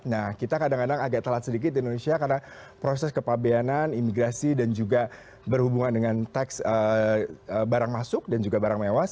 nah kita kadang kadang agak telat sedikit di indonesia karena proses kepabeanan imigrasi dan juga berhubungan dengan teks barang masuk dan juga barang mewas